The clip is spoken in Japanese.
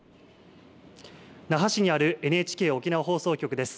那覇市にあるＮＨＫ沖縄放送局です。